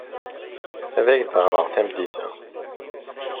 Ad ak-d-ɣreɣ tameddit-a.